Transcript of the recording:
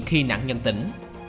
khi nạn nhân tỉnh